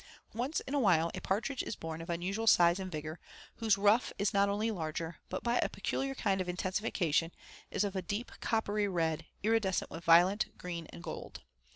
Once in a while a partridge is born of unusual size and vigor, whose ruff is not only larger, but by a peculiar kind of intensification is of a deep coppery red, iridescent with violet, green, and gold.